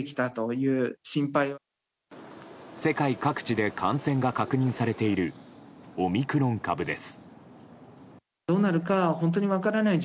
世界各地で感染が確認されているオミクロン株です。